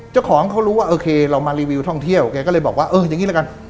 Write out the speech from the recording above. เจ้าของเขารู้ว่าโอเคเรามารีวิวท่องเที่ยวแกก็เลยบอกว่าเอออย่างนี้ละกัน